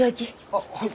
あっはい。